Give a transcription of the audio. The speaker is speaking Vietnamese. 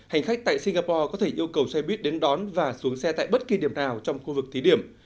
hành khách tại singapore có thể yêu cầu xe buýt đến đón và xuống xe tại bất kỳ điểm nào trong khu vực thí điểm